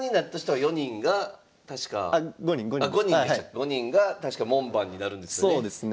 ５人が確か門番になるんですよね？